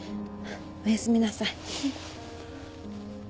おやすみなさい。